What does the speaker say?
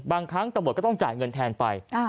บางครั้งตำรวจก็ต้องจ่ายเงินแทนไป